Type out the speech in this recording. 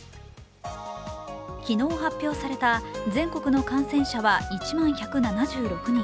昨日発表された全国の感染者は１万１７６人。